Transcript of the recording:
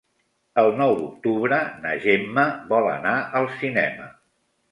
El nou d'octubre na Gemma vol anar al cinema.